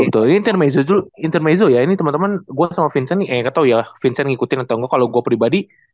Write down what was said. bener bener intermezzo ya ini teman teman gue sama vincent yang ketau ya vincent ngikutin atau enggak kalau gue pribadi